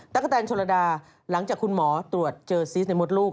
กะแตนชนระดาหลังจากคุณหมอตรวจเจอซีสในมดลูก